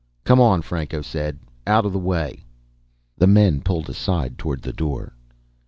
"Come on," Franco said. "Out of the way." The men pulled aside toward the door.